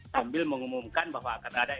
sambil mengumumkan bahwa akan ada